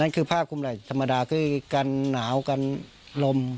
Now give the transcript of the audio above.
นั่นคือภาคคุมลัยธรรมดาคือการหนาวการลม